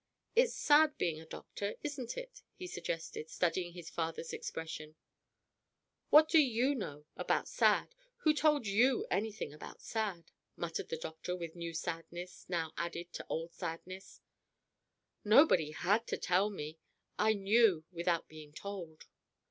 "It's sad being a doctor, isn't it?" he suggested, studying his father's expression. "What do you know about sad? Who told you anything about sad?" muttered the doctor with new sadness now added to old sadness. "Nobody had to tell me! I knew without being told."